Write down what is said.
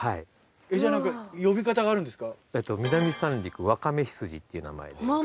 じゃあ何か呼び方があるんですか？